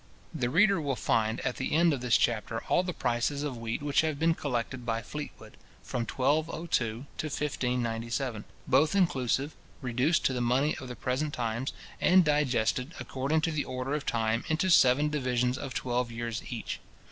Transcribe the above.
The reader will find at the end of this chapter all the prices of wheat which have been collected by Fleetwood, from 1202 to 1597, both inclusive, reduced to the money of the present times, and digested, according to the order of time, into seven divisions of twelve years each.